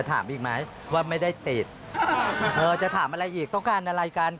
ถามอีกไหมจะถามอีกต้องการอะไรกัน